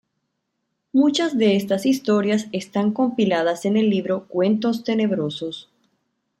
Muchas de estas historias están compiladas en el libro Cuentos Tenebrosos.